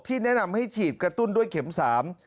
แนะนำให้ฉีดกระตุ้นด้วยเข็มสาม